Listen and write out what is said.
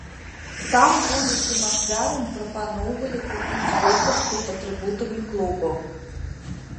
Там будучым ахвярам прапаноўвалі купіць вопратку з атрыбутамі клубаў.